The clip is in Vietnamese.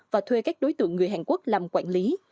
và thuê các đối tượng người hàn quốc làm quản lý